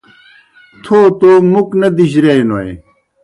تھو توموْ مُکھ نہ دِجرِیائے نوئے۔